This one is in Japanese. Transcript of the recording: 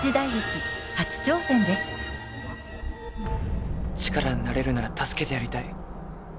今回が力になれるなら助けてやりたい。